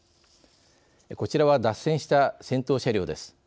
こちらは、脱線した先頭車両です。